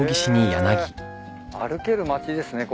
歩ける町ですね